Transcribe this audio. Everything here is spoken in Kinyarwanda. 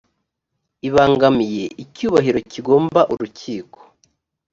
ibangamiye icyubahiro kigomba urukiko